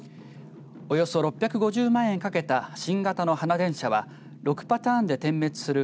およそ６５０万円かけた新型の花電車は６パターンで点滅する